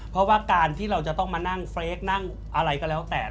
เพราะว่าการที่เราจะต้องมานั่งเฟรกนั่งอะไรก็แล้วแต่